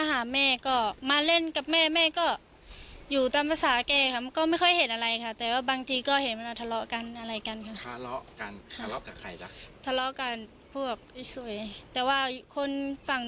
เป็นสาเหตุก็เป็นอย่างนั้นเลยค่ะ